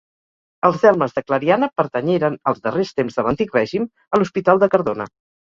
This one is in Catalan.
Els delmes de Clariana pertanyeren, els darrers temps de l’Antic Règim, a l’Hospital de Cardona.